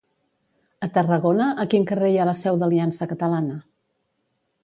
A Tarragona a quin carrer hi ha la Seu d'Aliança Catalana?